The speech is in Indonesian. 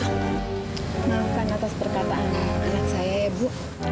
maafkan atas perkataan anak saya ya bu